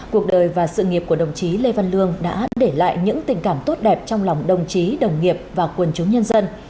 cuộc đời và sự nghiệp của đồng chí lê văn lương đã để lại những tình cảm tốt đẹp trong lòng đồng chí đồng nghiệp và quân chúng nhân dân